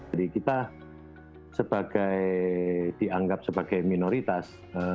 jadi kita sebagai dianggap sebagai minoritas